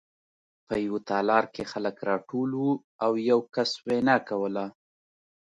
په یوه تالار کې خلک راټول وو او یو کس وینا کوله